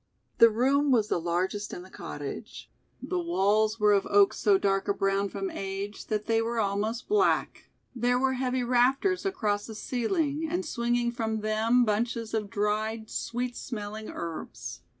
The room was the largest in the cottage; the walls were of oak so dark a brown from age that they were almost black; there were heavy rafters across the ceiling and swinging from them bunches of dried, sweet smelling herbs.